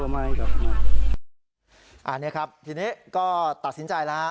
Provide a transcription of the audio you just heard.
ไม่ครับอ่าครับทีนี้ก็ตัดสินใจแล้วฮะ